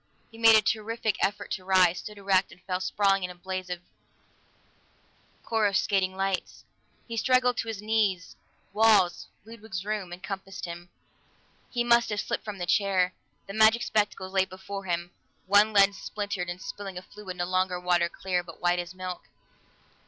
He made a terrific effort to rise, stood erect, and fell sprawling in a blaze of coruscating lights. He struggled to his knees; walls Ludwig's room encompassed him; he must have slipped from the chair. The magic spectacles lay before him, one lens splintered and spilling a fluid no longer water clear, but white as milk.